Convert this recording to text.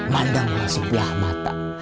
mandang lu sebelah mata